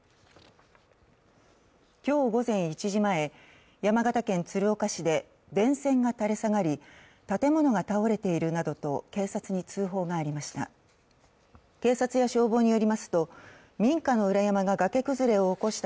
今日午前１時前、山形県鶴岡市で電線が垂れ下がり、建物が倒れているなどと警察に通報がありました。